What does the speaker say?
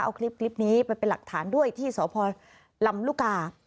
เอาคลิปนี้ไปเป็นหลักฐานด้วยที่สพลำลูกกา